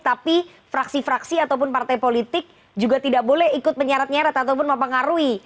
tapi fraksi fraksi ataupun partai politik juga tidak boleh ikut menyeret nyeret ataupun mempengaruhi